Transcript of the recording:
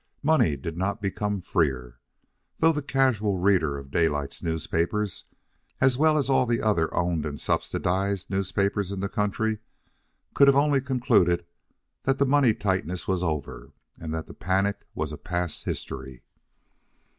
Money did not become freer, though the casual reader of Daylight's newspapers, as well as of all the other owned and subsidised newspapers in the country, could only have concluded that the money tightness was over and that the panic was past history.